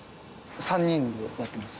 ３人でやってます。